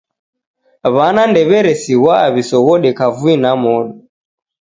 W'ana ndew'eresighwaa w'isoghode kavui na modo.